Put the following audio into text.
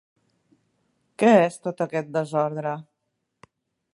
Què és aquest tot aquest desordre?